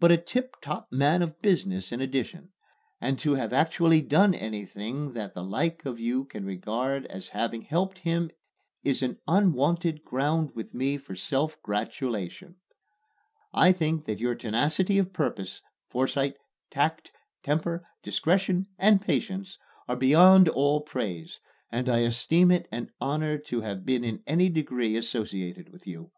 but a tip top man of business in addition; and to have actually done anything that the like of you can regard as having helped him is an unwonted ground with me for self gratulation. I think that your tenacity of purpose, foresight, tact, temper, discretion and patience, are beyond all praise, and I esteem it an honor to have been in any degree associated with you.